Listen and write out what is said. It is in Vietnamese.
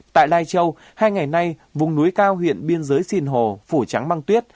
tại lai châu hai ngày nay vùng núi cao huyện biên giới sìn hồ phủ trắng băng tuyết